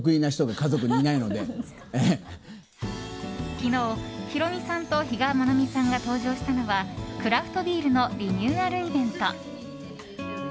昨日、ヒロミさんと比嘉愛未さんが登場したのはクラフトビールのリニューアルイベント。